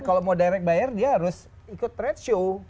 kalau mau direct bayar dia harus ikut trade show